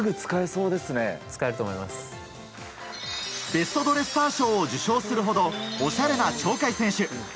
ベストドレッサー賞を受賞するほどおしゃれな鳥海選手。